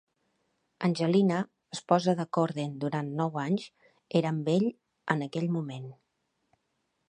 Angelina, esposa de Corden durant nou anys, era amb ell en aquell moment.